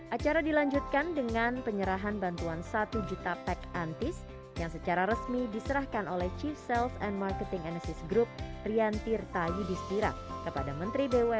acara dilanjutkan dengan penyerahan bantuan satu juta pec antis yang secara resmi diserahkan oleh chief sales and marketing analysis group triantir tayu dispira kepada menteri bumn erick thohir